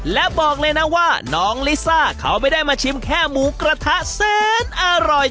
และบอกเลยนะว่าน้องลิซ่าเขาไม่ได้มาชิมแค่หมูกระทะแสนอร่อย